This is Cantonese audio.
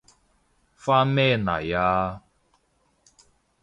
返咩嚟啊？